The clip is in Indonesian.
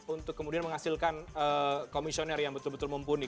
untuk kemudian menghasilkan komisioner yang betul betul mumpuni